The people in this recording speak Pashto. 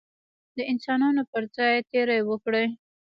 د انسانانو پر ځان تېری وکړي.